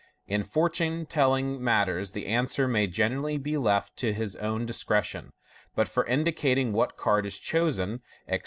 In fortune telling matters the answer may generally be left to his own discretion 5 but for indicating what card is chosen, etc.